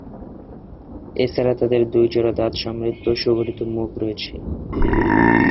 এছাড়া, তাদের দুই জোড়া দাঁত সমৃদ্ধ সুগঠিত মুখ রয়েছে।